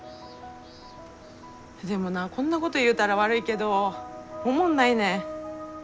でもなこんなこと言うたら悪いけどおもんないねん。